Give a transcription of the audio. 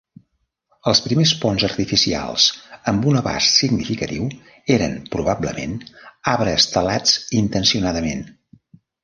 Els primers ponts artificials amb un abast significatiu eren probablement arbres talats intencionadament.